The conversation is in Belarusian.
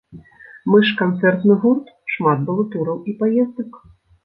Мы ж канцэртны гурт, шмат было тураў і паездак.